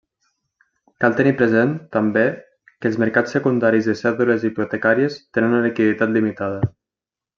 Cal tenir present, també, que els mercats secundaris de cèdules hipotecàries tenen una liquiditat limitada.